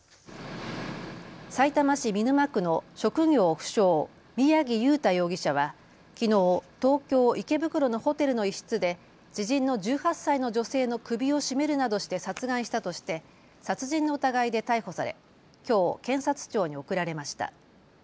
さいたま市見沼区の職業不詳、宮城祐太容疑者はきのう東京池袋のホテルの一室で知人の１８歳の女性の首を絞めるなどして殺害したとして殺人の疑いで逮捕されきょう検察庁に送られました。